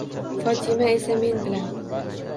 Fotima esa men bilan.